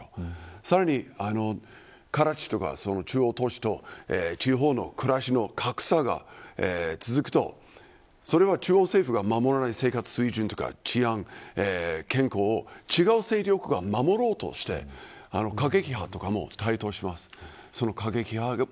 さらにカラチとか中央都市と地方の暮らしの格差が続くとそれは中央政府が守らない生活水準や治安、健康を違う勢力が守ろうとして過激派が発生します。